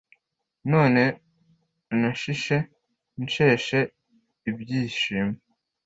None nashishe nsheshe ibyishimo